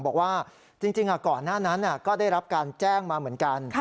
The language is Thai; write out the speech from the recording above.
บอกว่าจริงก่อนหน้านั้นก็ได้รับการแจ้งมาเหมือนกัน